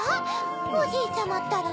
おじいちゃまったら